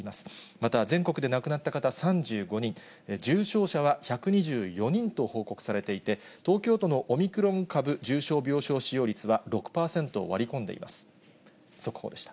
また全国で亡くなった方３５人、重症者は１２４人と報告されていて、東京都のオミクロン株重症病床使用率は６％を割り込んでいます。